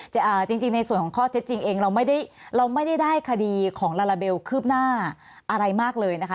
จริงในส่วนข้อเท็จจริงเองเราไม่ได้คดีของลาลาเบลคืบหน้าอะไรมากเลยนะคะ